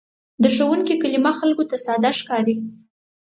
د ښوونکي کلمه خلکو ته ساده ښکاري.